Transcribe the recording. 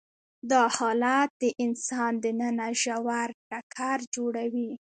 دا حالت د انسان دننه ژور ټکر جوړوي.